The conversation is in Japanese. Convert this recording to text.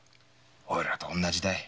おいらと同じだ。